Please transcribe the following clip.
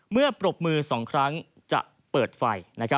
ปรบมือ๒ครั้งจะเปิดไฟ